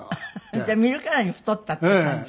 じゃあ見るからに太ったっていう感じ。